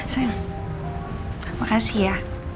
sayang makasih ya